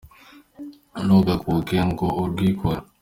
Ntunagakuke ngo urwikure